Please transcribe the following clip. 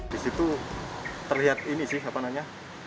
di situ terlihat ini sih apa namanya